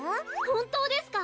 ほんとうですか？